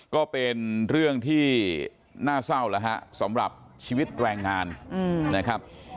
ก็เป็นเรื่องที่น่าเศร้าแล้วฮะสำหรับชีวิตแรงงานนะครับ